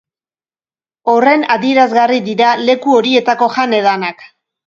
Horren adierazgarri dira leku horietako jan-edanak.